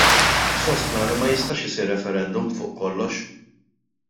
Sostna li ma jistax isir referendum fuq kollox.